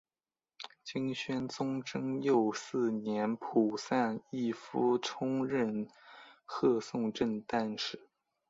金宣宗贞佑四年仆散毅夫充任贺宋正旦使。